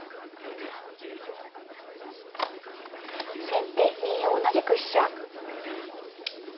先手２四同じく飛車。